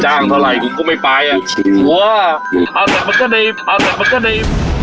จ้างเท่าไรกูก็ไม่ไปอ่ะโหเอาแต่มันก็ได้เอาแต่มันก็ได้